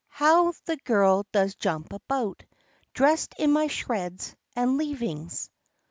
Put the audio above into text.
how the girl does jump about, Dressed in my shreds and leavings!"